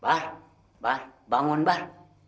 bar bar bangun bar